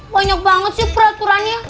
banyak banget sih peraturannya